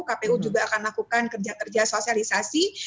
kpu juga akan lakukan kerja kerja sosialisasi